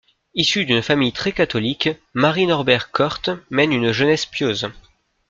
Issue d'une famille très catholique, Mary Norbert Körte mène une jeunesse pieuse.